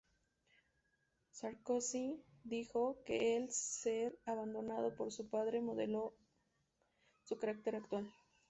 Sarkozy dijo que el ser abandonado por su padre modeló su carácter actual.